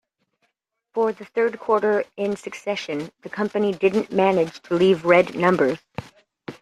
For the third quarter in succession, the company didn't manage to leave red numbers.